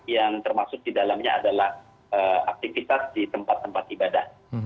yang termasuk di dalamnya adalah aktivitas di tempat tempat ibadah